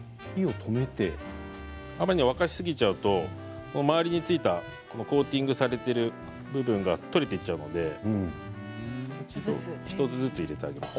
あまり沸かしすぎちゃうと周りについたコーティングされている部分が取れていっちゃうので１つずつ入れてあげます。